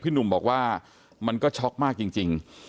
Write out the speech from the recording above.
หนุ่มบอกว่ามันก็ช็อกมากจริง